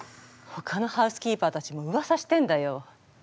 ほかのハウスキーパーたちもうわさしてんだよ。